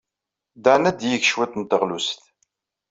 Dan ad d-yeg cwiṭ n teɣlust.